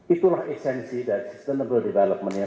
itulah esensi dari sustainable developmentnya